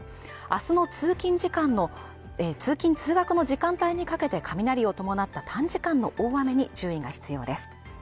明日の通勤・通学の時間帯にかけて雷を伴った短時間の大雨に注意が必要です